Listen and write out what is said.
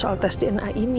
yang mana ke j depan semua ini